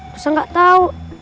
musa gak tau